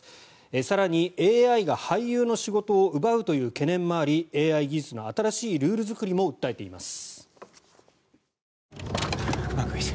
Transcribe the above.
更に、ＡＩが俳優の仕事を奪うという懸念もありＡＩ技術の新しいルールづくりも訴えています。